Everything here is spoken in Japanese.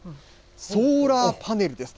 ソーラーパネルです。